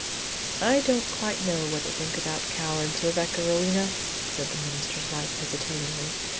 "I don't quite know what to think about cowards, Rebecca Rowena," said the minister's wife hesitatingly.